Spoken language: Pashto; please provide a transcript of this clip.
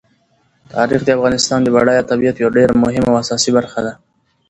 تاریخ د افغانستان د بډایه طبیعت یوه ډېره مهمه او اساسي برخه ده.